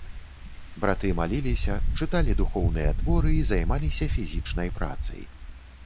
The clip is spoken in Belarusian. Браты маліліся, чыталі духоўныя творы і займаліся фізічнай працай.